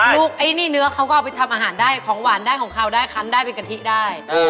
ไอ้นี่เนื้อเขาก็เอาไปทำอาหารได้ของหวานได้ของขาวได้คันได้เป็นกะทิได้